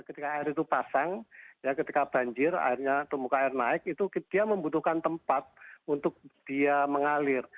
ketika air itu pasang ketika banjir airnya atau muka air naik itu dia membutuhkan tempat untuk dia mengalir